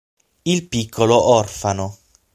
Il piccolo orfano